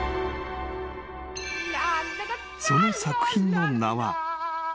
［その作品の名は］